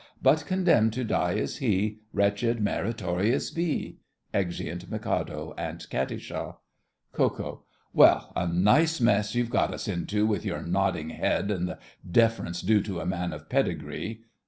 But condemned to die is he, Wretched meritorious B! [Exeunt Mikado and Katisha. KO. Well, a nice mess you've got us into, with your nodding head and the deference due to a man of pedigree!